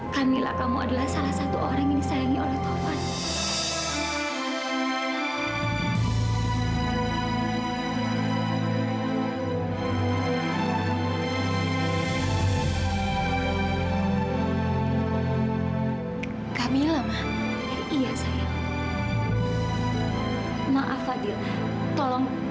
kita gak boleh kalah sayang